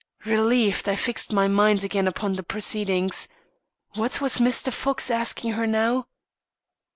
Relieved, I fixed my mind again upon the proceedings. What was Mr. Fox asking her now?